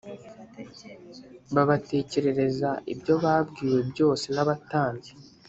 babatekerereza ibyo babwiwe byose n’abatambyi